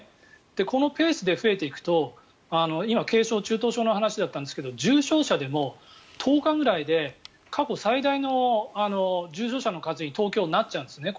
このペースで増えていくと今軽症、中等症の話だったんですが重症者でも１０日ぐらいで過去最大の重症者の数に東京、なっちゃうんですね。